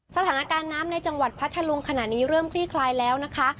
สถานการณ์น้ำในจังหวัดพัทธลุงขณะนี้เริ่มคลี่คลายแล้วนะคะ